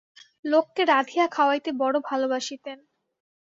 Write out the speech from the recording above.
লোককে রাঁধিয়া খাওয়াইতে বড় ভালবাসিতেন।